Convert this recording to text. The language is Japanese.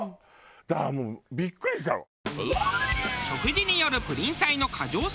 だからもうビックリしたもん。